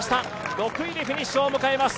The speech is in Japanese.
６位でフィニッシュを迎えます。